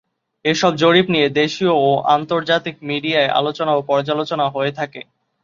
এসব জরিপ নিয়ে দেশীয় ও আন্তর্জাতিক মিডিয়ায় আলোচনা ও পর্যালোচনা হয়ে থাকে।